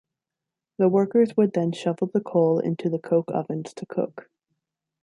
The workers would then shovel the coal into the coke ovens to cook.